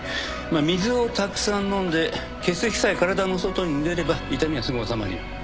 まあ水をたくさん飲んで結石さえ体の外に出れば痛みはすぐ治まるよ。